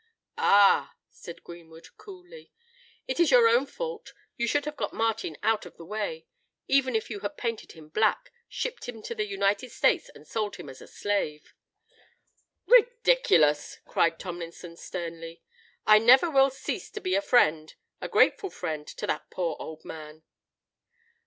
"Ah!" said Greenwood, coolly; "it is your own fault: you should have got Martin out of the way—even if you had painted him black, shipped him to the United States, and sold him as a slave." "Ridiculous!" cried Tomlinson, sternly. "I never will cease to be a friend—a grateful friend—to that poor old man."